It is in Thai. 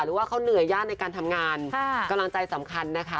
หรือว่าเขาเหนื่อยยากในการทำงานกำลังใจสำคัญนะคะ